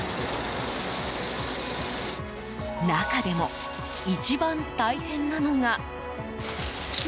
中でも、一番大変なのが。